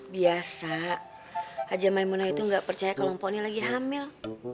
biasa haja maimunah itu nggak percaya kalau emak ini lagi hamil